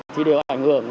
thì đều ảnh hưởng